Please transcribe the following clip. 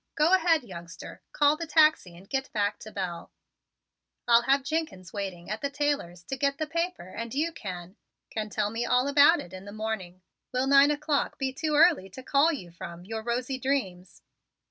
Go ahead, youngster; call the taxi and get back to Belle. I'll have Jenkins waiting at the Taylor's to get the paper and you can can tell me all about it in the morning. Will nine o'clock be too early to call you from your rosy dreams?"